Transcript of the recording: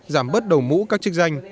giảm bớt đầu mũ các trích danh